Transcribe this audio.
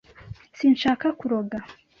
Sinshaka kuroga.